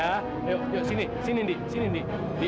yuk yuk sini sini indi sini di